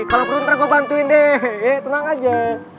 kalo perunturan gua bantuin deh tenang aja